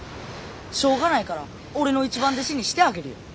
しょうがないから俺の一番弟子にしてあげるよ。